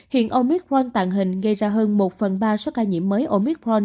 hiện omicron tàng hình gây ra hơn một phần ba số ca nhiễm mới omicron